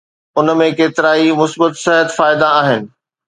ان ۾ ڪيترائي مثبت صحت فائدا آھن